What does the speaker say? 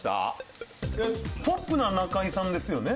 ポップな仲居さんですよね